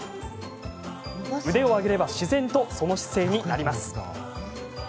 腕を上げれば自然とその姿勢になります。